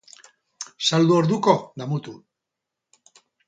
Saldu orduko, damutu.